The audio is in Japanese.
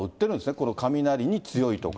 この雷に強いとか。